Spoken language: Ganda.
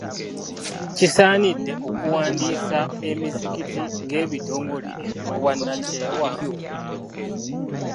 Kisaanidde okuwandiisa emizikiti ng'ebitongole eby'obwannakyewa?